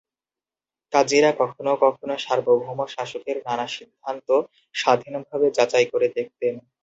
কাজীরা কখনও কখনও সার্বভৌম শাসকের নানা সিদ্ধান্ত স্বাধীনভাবে যাচাই করে দেখতেন।